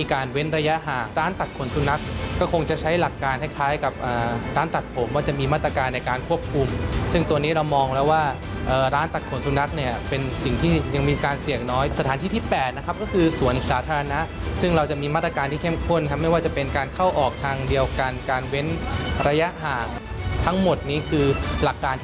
เว้นระยะห่างร้านตัดขนสุนัขก็คงจะใช้หลักการคล้ายกับร้านตัดผมว่าจะมีมาตรการในการควบคุมซึ่งตัวนี้เรามองแล้วว่าร้านตัดขนสุนัขเนี่ยเป็นสิ่งที่ยังมีการเสี่ยงน้อยสถานที่ที่๘นะครับก็คือสวนสาธารณะซึ่งเราจะมีมาตรการที่เข้มข้นครับไม่ว่าจะเป็นการเข้าออกทางเดียวกันการเว้นระยะห่างทั้งหมดนี้คือหลักการ